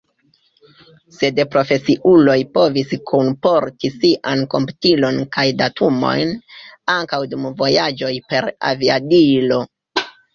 Sed profesiuloj povis kunporti sian komputilon kaj datumojn, ankaŭ dum vojaĝoj per aviadilo.